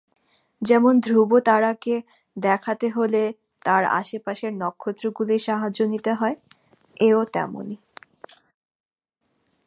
যেমন ধ্রুবতারাকে দেখাতে হলে তার আশপাশের নক্ষত্রগুলির সাহায্য নিতে হয়, এও তেমনি।